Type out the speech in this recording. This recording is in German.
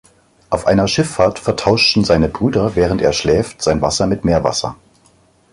Auf einer Schifffahrt vertauschen seine Brüder während er schläft sein Wasser mit Meerwasser.